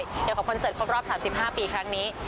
เดี๋ยวขอคอนเสิร์ตครบรอบ๓๕ปีครั้งนี้